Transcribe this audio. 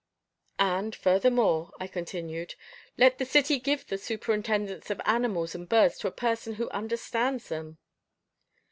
"And furthermore," I continued, "let the city give the superintendence of animals and birds to a person who understands them."